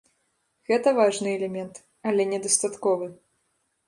Гэта важны элемент, але недастатковы.